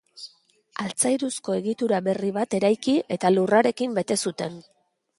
Altzairuzko egitura berri bat eraiki eta lurrarekin bete zuten.